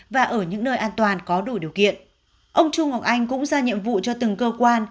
và ở những nơi an toàn có đủ điều kiện ông chu ngọc anh cũng ra nhiệm vụ cho từng cơ quan